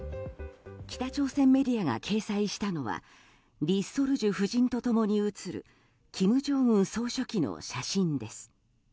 北朝鮮メディアが掲載したのはリ・ソルジュ夫人と共に写る金正恩総書記の写真です。